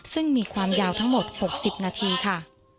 ซึ่งมีความยาวทั้งหมด๖๐นาทีค่ะ